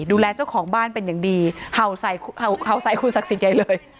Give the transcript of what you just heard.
ดูแลเจ้าของบ้านเป็นอย่างดีเห่าใส่เห่าใส่คุณศักดิ์สิทธิ์ใหญ่เลย